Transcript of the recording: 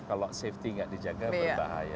kalau safety nggak dijaga berbahaya